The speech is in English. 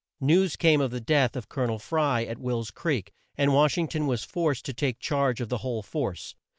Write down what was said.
News came of the death of Col o nel Fry, at Will's creek, and Wash ing ton was forced to take charge of the whole force.